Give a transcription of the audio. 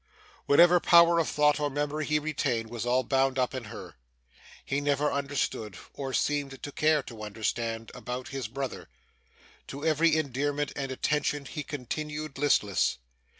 Whatever power of thought or memory he retained, was all bound up in her. He never understood, or seemed to care to understand, about his brother. To every endearment and attention he continued listless.